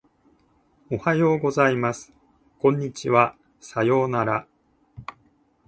おはようございます。こんにちは。さようなら。